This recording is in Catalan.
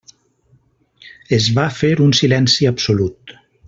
Es va fer un silenci absolut.